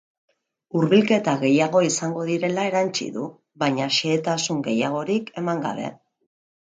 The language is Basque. Hurbilketa gehiago izango direla erantsi du, baina xehetasun gehiagorik eman gabe.